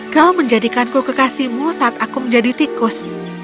kau menjadikanku kekasihmu saat aku menjadi tikus